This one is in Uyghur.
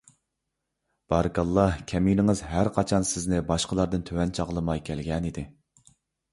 بارىكاللاھ! كەمىنىڭىز ھەرقاچان سىزنى باشقىلاردىن تۆۋەن چاغلىماي كەلگەنىدى.